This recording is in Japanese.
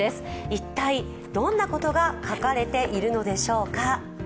一体どんなことが描かれているのでしょうか？